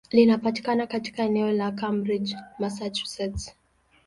Linapatikana katika eneo la Cambridge, Massachusetts.